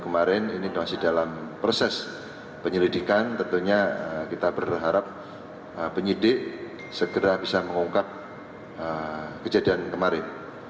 kemarin ini masih dalam proses penyelidikan tentunya kita berharap penyidik segera bisa mengungkap kejadian kemarin